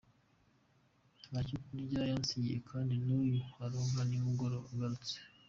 Nta cyo kurya yansigiye kandi n’uyu aronka nimugoroba agarutse.”